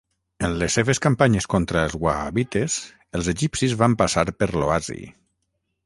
En les seves campanyes contra els wahhabites els egipcis van passar per l'oasi.